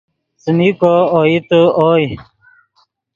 څیمی کو اوئیتے اوئے